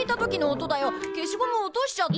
消しゴムを落としちゃって。